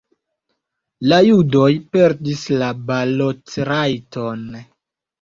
La judoj perdis la balotrajton.